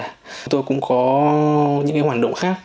chúng tôi cũng có những hoạt động khác